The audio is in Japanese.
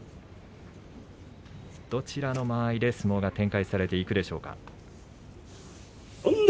どちらの間合いで相撲が展開されていくでしょうか。